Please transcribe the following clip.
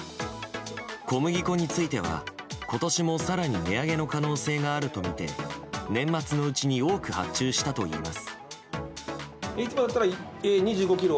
小麦粉については、今年も更に値上げの可能性があるとみて年末のうちに多く発注したといいます。